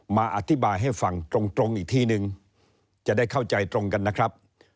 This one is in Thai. มาอธิบายให้ฟังตรงอีกทีนึงจะได้เข้าใจตรงกันนะครับ